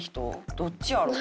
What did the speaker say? どっちやろう？